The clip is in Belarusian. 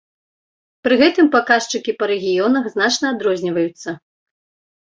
Пры гэтым паказчыкі па рэгіёнах значна адрозніваюцца.